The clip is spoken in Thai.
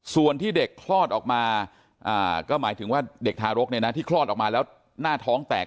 ส่วนที่เด็กคลอดออกมาก็หมายถึงว่าเด็กทารกที่คลอดออกมาแล้วหน้าท้องแตก